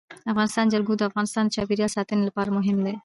د افغانستان جلکو د افغانستان د چاپیریال ساتنې لپاره مهم دي.